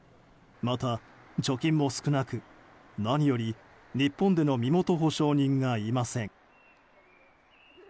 また貯金も少なく、何より日本での身元保証人がいません。